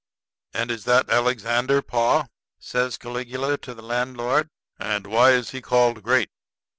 "And is that Alexander, pa?" says Caligula to the landlord; "and why is he called great?"